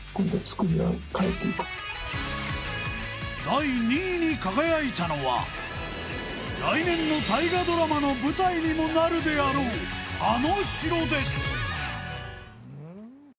第２位に輝いたのは来年の大河ドラマの舞台にもなるであろうあの城です